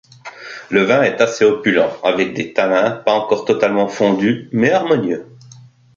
Le vin est assez opulent, avec des tannins pas encore totalement fondus mais harmonieux.